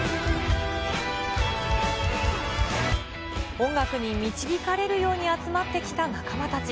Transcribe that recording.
音楽に導かれるように集まってきた仲間たち。